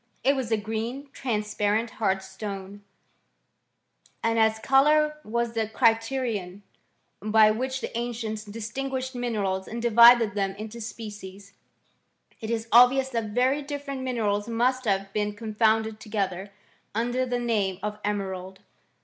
It was a green, transparent, hard stone ; and, as colour was the criterion by which • the ancients distinguished minerals and divided them into species, it is obvious that very different minerals •' must have been confounded together, under the name. '■ of emerald